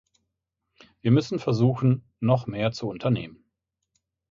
Wir müssen versuchen, noch mehr zu unternehmen.